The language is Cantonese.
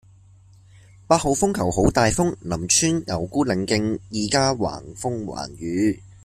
八號風球好大風，林村牛牯嶺徑依家橫風橫雨